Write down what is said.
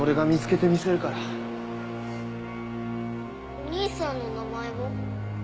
お兄さんの名前は？